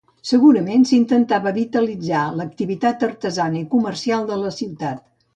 Segurament s'intentava vitalitzar l'activitat artesana i comercial de la ciutat.